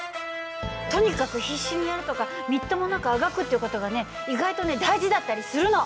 とにかく必死にやるとかみっともなくあがくっていう事がね意外とね大事だったりするの！